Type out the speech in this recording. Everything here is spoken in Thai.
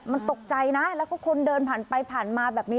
มันตกใจนะแล้วก็คนเดินผ่านไปผ่านมาแบบนี้